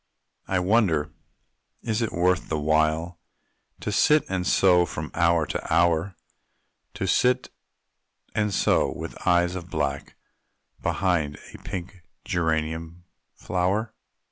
I wonder, is it worth the while, To sit and sew from hour to hour To sit and sew with eyes of black, Behind a pink geranium flower?